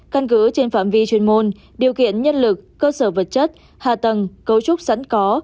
căn cứ trên phạm vi chuyên môn điều kiện nhân lực cơ sở vật chất hạ tầng cấu trúc sẵn có